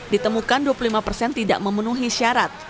ditemukan dua puluh lima persen tidak memenuhi syarat